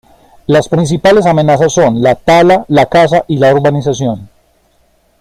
Las principales amenazas son la tala, la caza y la urbanización.